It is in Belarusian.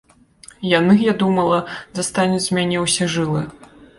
Яны, я думала, дастануць з мяне ўсе жылы.